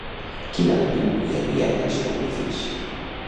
Quin element hi havia en els jeroglífics?